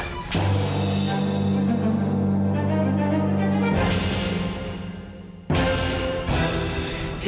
ibu ibu tunggu